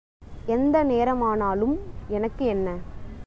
எந்த நேரமானாலும் எனக்கு என்ன?